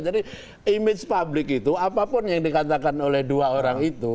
jadi image public itu apapun yang dikatakan oleh dua orang itu